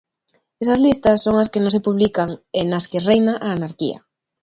Esas listas son as que non se publican e nas que reina a anarquía.